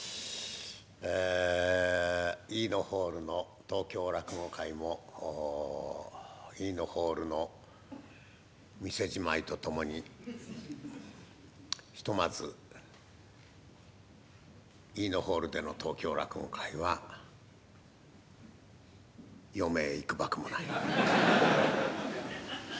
ええイイノホールの東京落語会もイイノホールの店じまいとともにひとまずイイノホールでの東京落語会は余命いくばくもない。